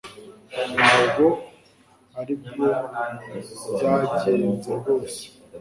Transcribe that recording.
Ntabwo aribwo byagenze rwose.